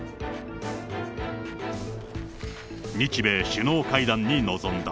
日米首脳会談に臨んだ。